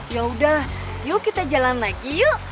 yaudah yuk kita jalan lagi yuk